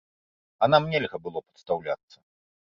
А нам нельга было падстаўляцца.